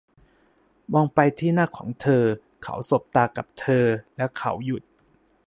มองไปที่หน้าของเธอ เขาสบตากับเธอ และเขาหยุด